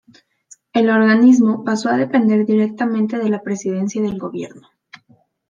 El organismo pasó a depender directamente de la Presidencia del Gobierno.